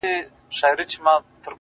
o د نورو د ستم په گيلاسونو کي ورک نه يم،